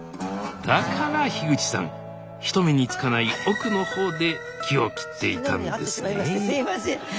だから口さん人目につかない奥の方で木を切っていたんですね。